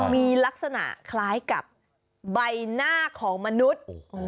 มีลักษณะคล้ายกับใบหน้าของมนุษย์